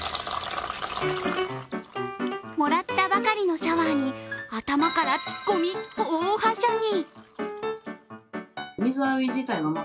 もらったばかりのシャワーに頭から突っ込み大はしゃぎ！